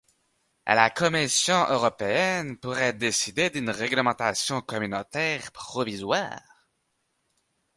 La Commission européenne pourrait décider d’une réglementation communautaire provisoire.